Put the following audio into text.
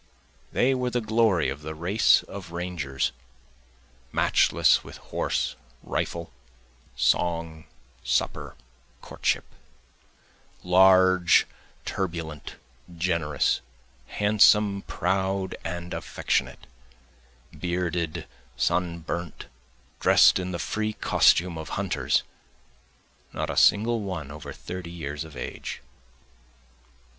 They were the glory of the race of rangers, Matchless with horse, rifle, song, supper, courtship, Large, turbulent, generous, handsome, proud, and affectionate, Bearded, sunburnt, drest in the free costume of hunters, Not a single one over thirty years of age.